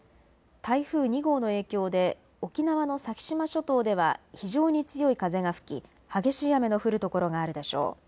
台風２号の影響で沖縄の先島諸島では非常に強い風が吹き激しい雨の降る所があるでしょう。